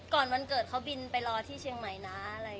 วันเกิดเขาบินไปรอที่เชียงใหม่นะ